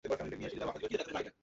দেশে ঘি রহিল কই?